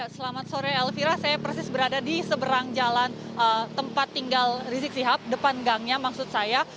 selamat sore elvira saya persis berada di seberang jalan tempat tinggal rizik sihab depan gangnya maksud saya